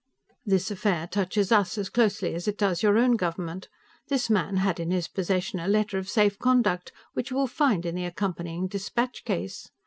This affair touches us as closely as it does your own government; this man had in his possession a letter of safe conduct, which you will find in the accompanying dispatch case.